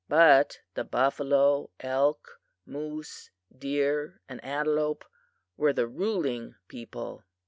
But the buffalo, elk, moose, deer and antelope were the ruling people.